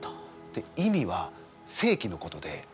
意味はせいきのことで。